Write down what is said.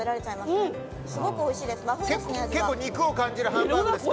すごくおいしいです、和風です。